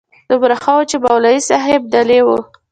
دومره ښه و چې مولوي صاحب دلې و.